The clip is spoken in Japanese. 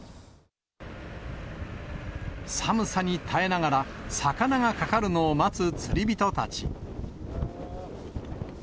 寒さに耐えながら、魚がかかるのを待つ釣り人たち。